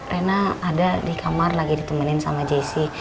rena ada di kamar lagi ditemani sama jaycee